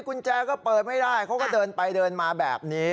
กุญแจก็เปิดไม่ได้เขาก็เดินไปเดินมาแบบนี้